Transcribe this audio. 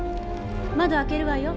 窓開けるわよ。